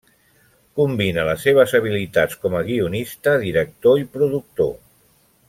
Combina les seves habilitats com a guionista, director i productor.